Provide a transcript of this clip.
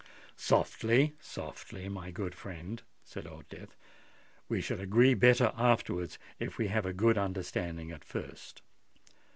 "Softly softly, my good friend," said Old Death. "We shall agree better afterwards if we have a good understanding at first.